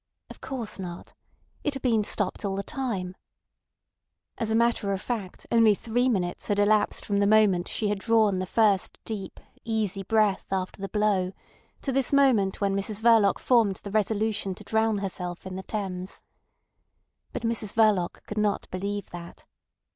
Of course not. It had been stopped all the time. As a matter of fact, only three minutes had elapsed from the moment she had drawn the first deep, easy breath after the blow, to this moment when Mrs Verloc formed the resolution to drown herself in the Thames. But Mrs Verloc could not believe that.